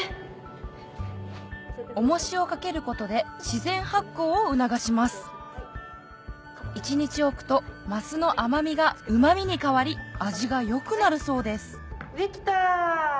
重しをかけることで自然発酵を促します一日置くとますの甘みがうま味に変わり味が良くなるそうです出来た！